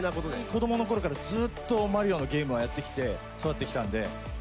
子供のころからずっと『マリオ』のゲームはやってきて育ってきたんでまさかね